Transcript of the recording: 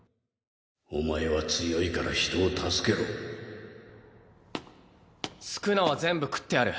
お前は強いから人宿儺は全部食ってやる。